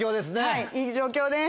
はいいい状況です。